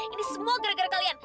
ini semua gara gara kalian